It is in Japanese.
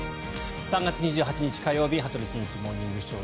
３月２８日、火曜日「羽鳥慎一モーニングショー」。